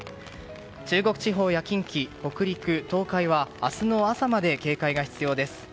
中国地方や近畿、北陸、東海は明日の朝まで警戒が必要です。